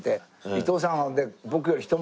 伊東さん